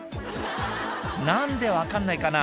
何で分かんないかな？